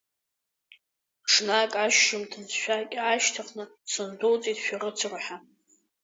Ҽнак ашьжьымҭан сшәақь аашьҭыхны сындәылҵит шәарыцара ҳәа.